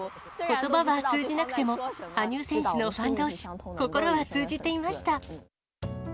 ことばは通じなくても、羽生選手のファンどうし、心は通じていました。